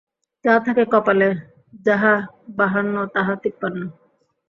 যা থাকে কপালে-যাহা বাহান্ন তাহা তিপ্লান্না!